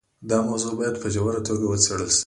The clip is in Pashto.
دا موضوع باید په ژوره توګه وڅېړل شي.